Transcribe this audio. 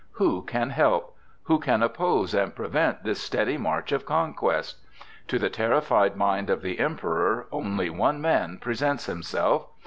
Who can help? Who can oppose and prevent this steady march of conquest? To the terrified mind of the Emperor only one man presents himself.